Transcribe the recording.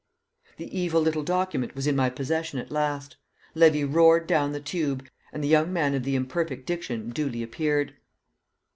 The evil little document was in my possession at last. Levy roared down the tube, and the young man of the imperfect diction duly appeared.